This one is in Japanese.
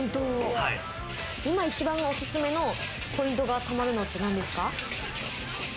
今、一番おすすめのポイントが貯まるのって何ですか？